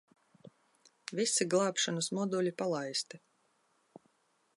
Visi glābšanas moduļi palaisti.